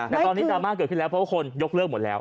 แต่ตอนนี้ดราม่าเกิดขึ้นแล้วเพราะว่าคนยกเลิกหมดแล้ว